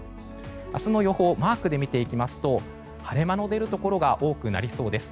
明日の予報をマークで見ていきますと晴れ間の出るところが多くなりそうです。